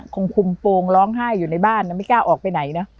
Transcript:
คงคุมโปรงร้องไห้อยู่ในบ้านนะไม่กล้าออกไปไหนนะ